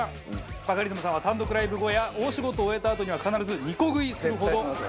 バカリズムさんは単独ライブ後や大仕事を終えたあとには必ず２個食いするほど。